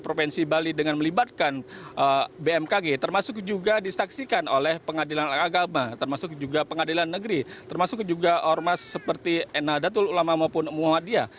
provinsi bali dengan melibatkan bmkg termasuk juga disaksikan oleh pengadilan agama termasuk juga pengadilan negeri termasuk juga ormas seperti enadatul ulama maupun muhammadiyah